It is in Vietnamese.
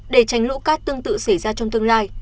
để tránh lũ cát tương tự xảy ra trong tương lai